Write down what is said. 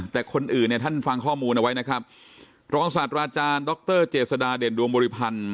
แต่คนอื่นเนี่ยท่านฟังข้อมูลเอาไว้นะครับรองศาสตราอาจารย์ดรเจษฎาเด่นดวงบริพันธ์